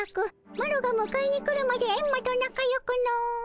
マロがむかえに来るまでエンマとなかよくの。